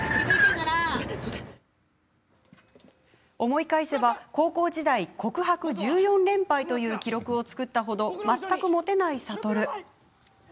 思い返せば高校時代告白１４連敗という記録を作ったほど全くモテない諭。